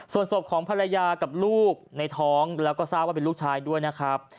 ส่วนศพของภรรยากับลูกในท้องแล้วก็ทราบว่าเป็นลูกชายด้วยนะครับ